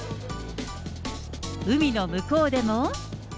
海の向こうでも。